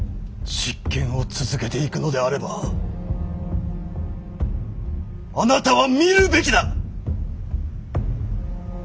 執権を続けていくのであればあなたは見るべきだ！